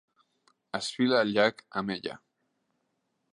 Es fila al llac amb ella.